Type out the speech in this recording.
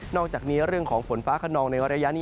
อกจากนี้เรื่องของฝนฟ้าขนองในระยะนี้